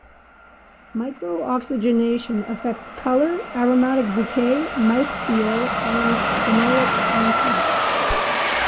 Micro-oxygenation affects colour, aromatic bouquet, mouth-feel and phenolic content.